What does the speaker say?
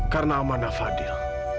karena amanah fadil